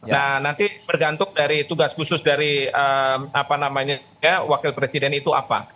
nah nanti bergantung dari tugas khusus dari wakil presiden itu apa